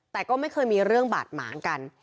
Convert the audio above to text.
แต่ก็ไม่เคยมีเรื่องบาดหมางกัน